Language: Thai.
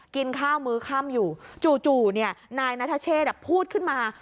กินข้าวมือข้ามอยู่จู่เนี่ยนายนัทเทศอะพูดขึ้นมา